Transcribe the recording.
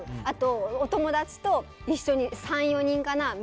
あと、お友達と一緒に３４人かな。